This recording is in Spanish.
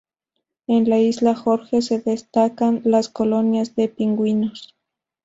En la isla Jorge se destacan las colonias de pingüinos.